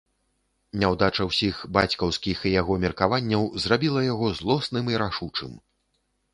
Няўдача ўсіх бацькаўскіх і яго меркаванняў зрабіла яго злосным і рашучым.